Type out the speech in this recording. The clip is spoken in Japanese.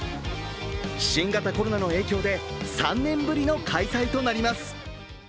新型コロナの影響で３年ぶりの開催となります。